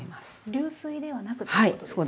流水ではなくということですね。